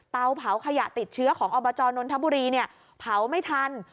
เตาเผาขยะติดเชื้อของอบจนนทบุรีเผาไม่ทัน